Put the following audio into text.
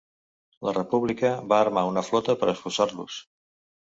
La República va armar una flota per expulsar-los.